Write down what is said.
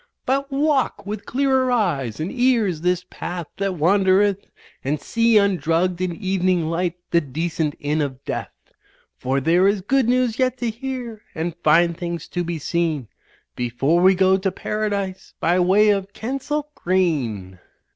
But walk with clearer eyes and ears this path that wander eth. And see undrugged in evening light the decent inn of death ; For there is good news yet to hear and fine things to be seen Before we go to Paradise by way of Kensal Green."